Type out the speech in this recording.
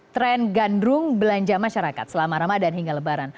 tren gandrung belanja masyarakat selama ramadan hingga lebaran